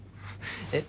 えっ？